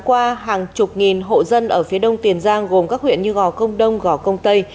qua hàng chục nghìn hộ dân ở phía đông tiền giang gồm các huyện như gò công đông gò công tây